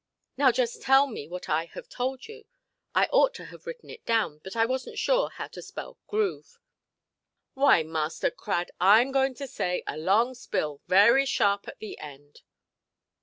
Now just tell me what I have told you. I ought to have written it down, but I wasnʼt sure how to spell 'groove'". "Why, Master Crad, Iʼm to say a long spill, very sharp at the end".